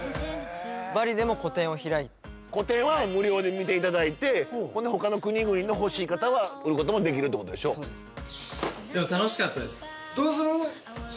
バリでも個展を開いて個展は無料で見ていただいてほんでほかの国々の欲しい方は売ることもできるってことでしょそうです